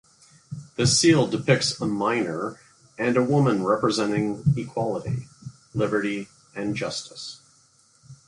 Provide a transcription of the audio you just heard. The seal depicts a miner and a woman representing equality, liberty and justice.